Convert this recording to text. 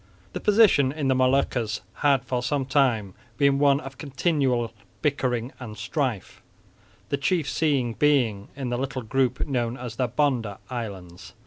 The position in the Moluccas had for some years been one of continual bickering and strife; the chief scene being in the little group known as the Banda islands.